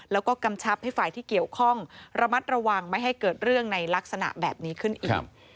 แล้วก็กำชับให้ฝ่ายที่เกี่ยวข้องระมัดระวังไม่ให้เกิดเรื่องในลักษณะแบบนี้ขึ้นอีก